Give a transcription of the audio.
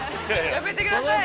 ◆やめてください。